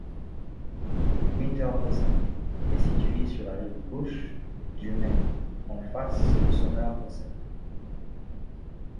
Winterhausen est situé sur la rive gauche du Main en face de Sommerhausen.